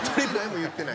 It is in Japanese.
言ってない？